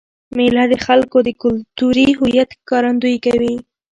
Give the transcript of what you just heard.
مېله د خلکو د کلتوري هویت ښکارندويي کوي.